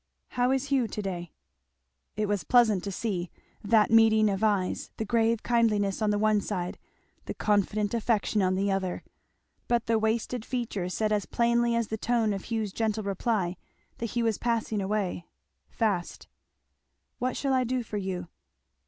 "How is Hugh, to day?" It was pleasant to see, that meeting of eyes, the grave kindliness on the one side, the confident affection on the other. But the wasted features said as plainly as the tone of Hugh's gentle reply, that he was passing away, fast. "What shall I do for you?"